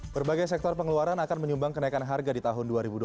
berbagai sektor pengeluaran akan menyumbang kenaikan harga di tahun dua ribu dua puluh